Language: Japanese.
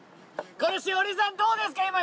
しおりさんどうですか？